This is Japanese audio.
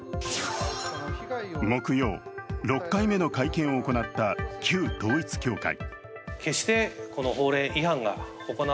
木曜、６回目の会見を行った旧統一教会。